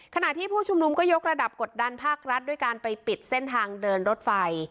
ขณะที่ผู้ชุมนุมก็ยกระดับกดดันภาครัฐด้วยการไปปิดเส้นทางเดินรถไฟ